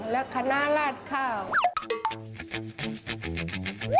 และคณะลาดข้าว